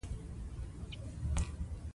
هغوی چې دفاع کوله دې تورونو ته ځوابونه وویل.